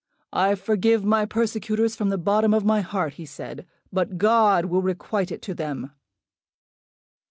"I forgive my persecutors from the bottom of my heart," he said, "but God will requite it to them."